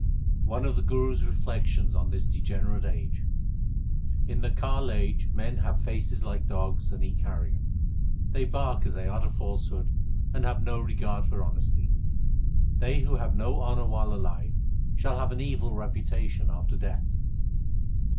One of the Guru s reflections on this degenerate age : In the Kal age men have faces like dogs, and eat carrion. They bark as they utter falsehood, and have no regard for honesty. They who have no honour while alive, shall have an evil reputation after death.